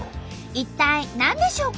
一体何でしょうか？